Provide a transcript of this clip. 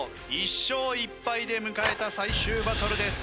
１勝１敗で迎えた最終バトルです。